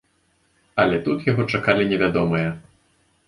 Але тут яго чакалі невядомыя.